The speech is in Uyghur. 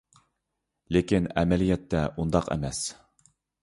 لېكىن، ئەمەلىيەتتە ئۇنداق ئەمەس.